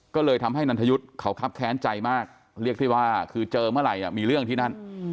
ก็เลยทำให้นันทยุทธ์เขาครับแค้นใจมากเรียกได้ว่าคือเจอเมื่อไหร่มีเรื่องที่นั่น